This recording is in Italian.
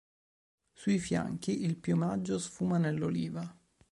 Sui fianchi, il piumaggio sfuma nell'oliva.